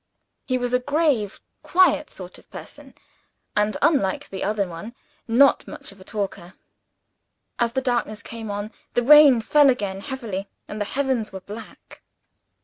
He was a grave, quiet sort of person, and (unlike the other one) not much of a talker. As the darkness came on, the rain fell again heavily; and the heavens were black.